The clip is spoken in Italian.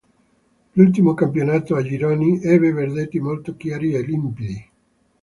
L'ultimo campionato a gironi ebbe verdetti molto chiari e limpidi.